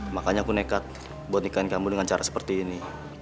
makanya aku nekat buat nikahin kamu dengan cara seperti ini